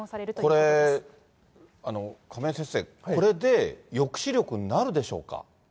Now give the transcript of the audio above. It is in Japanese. これ、亀井先生、これで抑止力になるでしょうか。